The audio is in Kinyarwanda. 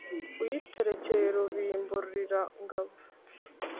Uyiterekeye Rubimburira-ngabo